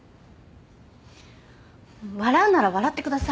笑うなら笑ってください。